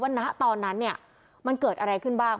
ว่าตอนนั้นมันเกิดอะไรขึ้นบ้าง